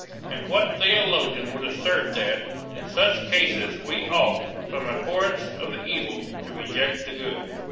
And what theologian would assert that, in such cases, we ought, from abhorrence of the evil, to reject the good?